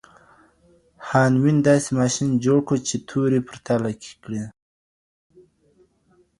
هانمین داسې ماشین جوړ کړ چې توري پرتله کړي.